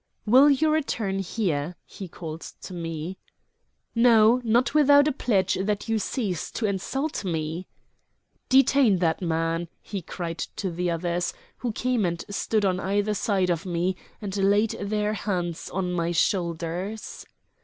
"Will you return here?" he called to me. "No, not without a pledge that you cease to insult me." "Detain that man," he cried to the others, who came and stood on either side of me, and laid their hands on my shoulders.